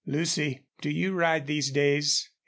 Lucy, do you ride these days?"